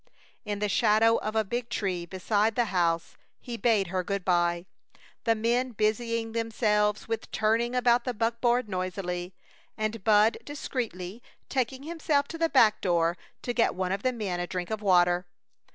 In the shadow of a big tree beside the house he bade her good by, the men busying themselves with turning about the buckboard noisily, and Bud discreetly taking himself to the back door to get one of the men a drink of water.